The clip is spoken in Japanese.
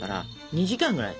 ２時間ぐらい。